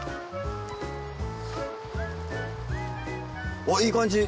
おっいい感じ！